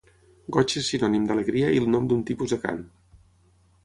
Goig és sinònim d'alegria i el nom d'un tipus de cant.